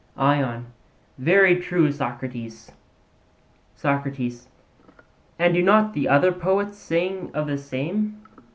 ION: Very true, Socrates. SOCRATES: And do not the other poets sing of the same?